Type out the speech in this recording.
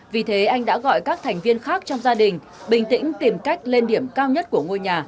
vì thế anh đã gọi các thành viên khác trong gia đình bình tĩnh tìm cách lên điểm cao nhất của ngôi nhà